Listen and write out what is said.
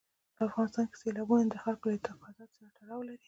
په افغانستان کې سیلابونه د خلکو له اعتقاداتو سره تړاو لري.